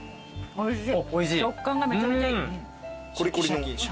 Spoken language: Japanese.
おいしい。